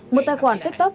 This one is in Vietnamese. một tài khoản tiktok